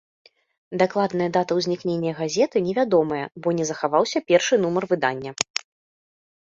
Дакладная дата ўзнікнення газеты невядомая, бо не захаваўся першы нумар выдання.